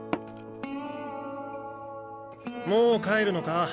もう帰るのか？